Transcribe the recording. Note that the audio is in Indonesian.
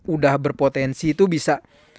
udah berpotensi itu bisa